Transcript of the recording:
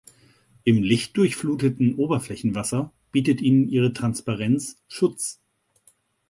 Im lichtdurchfluteten Oberflächenwasser bietet ihnen ihre Transparenz Schutz.